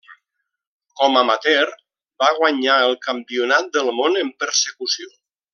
Com amateur, va guanyar el Campionat del món en Persecució.